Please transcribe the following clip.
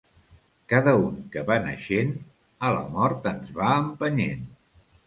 Cada un que va naixent a la mort ens va empenyent.